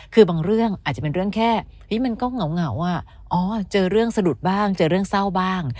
คือบางเรื่องอาจจะเป็นเรื่องแค่มันก็เหงาเจอเรื่องสะดุดบ้างเจอเรื่องเศร้าบ้าง